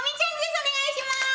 お願いします！